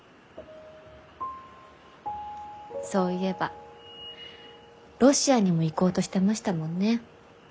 そういえばロシアにも行こうとしてましたもんね。